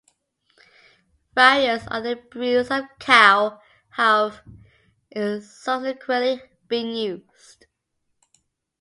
Various other breeds of cow have subsequently been used.